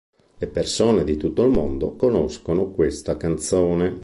Le persone di tutto il mondo conoscono questa canzone.